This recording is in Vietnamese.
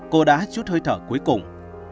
cô đã hát chút hơi thở cuối cùng